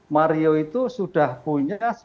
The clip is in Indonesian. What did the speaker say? mario itu sudah punya